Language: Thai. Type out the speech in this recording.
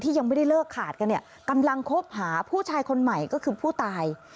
ยังไม่ได้เลิกขาดกันเนี่ยกำลังคบหาผู้ชายคนใหม่ก็คือผู้ตาย